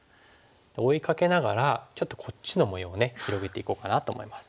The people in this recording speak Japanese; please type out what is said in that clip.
追いかけながらちょっとこっちの模様をね広げていこうかなと思います。